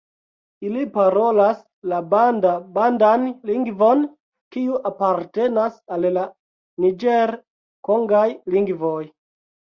Ili parolas la banda-bandan lingvon, kiu apartenas al la niĝer-kongaj lingvoj.